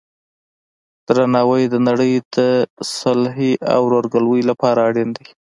درناوی د نړۍ د صلحې او ورورګلوۍ لپاره اړین دی.